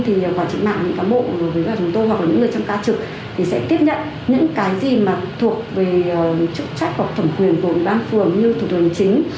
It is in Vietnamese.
thì quản trị mạng các bộ chúng tôi hoặc những người trong ca trực sẽ tiếp nhận những cái gì mà thuộc về chức trách hoặc thẩm quyền của đoàn phường như thuộc về chính